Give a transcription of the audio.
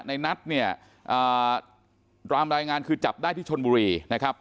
ในนัทเนี่ยตามรายงานคือจับได้ที่ชนบุรีนะครับ